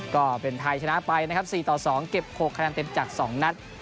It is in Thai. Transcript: ก็เป็นไทยชนะไปนะครับ๔ต่อ๒เก็บ๖คะแนนเต็มจาก๒นัด